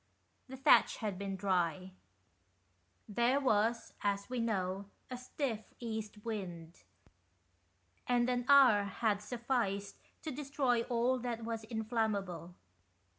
The thatch had been dry; there was, as we know, a stiff east wind, and an hour had sufficed to destroy all that was inflammable.